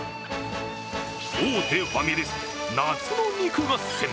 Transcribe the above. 大手ファミレス、夏の肉合戦。